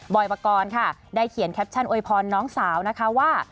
อยปกรณ์ค่ะได้เขียนแคปชั่นโวยพรน้องสาวนะคะว่า